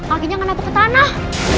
akhirnya gak nabak ke tanah